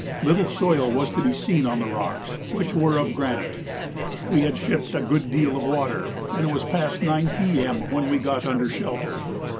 Little soil was to be seen on the rocks, which were of granite. We had shipped a good deal of water, and it was past 9 P.M. when we got under shelter.